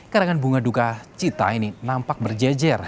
karangan bunga duka cita ini nampak berjejer